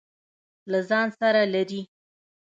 له ځان سره لري.